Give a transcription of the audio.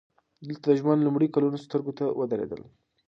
دلته د ژوند لومړي کلونه سترګو ته ودرېدل